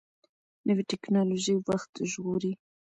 نوې ټکنالوژي وخت ژغوري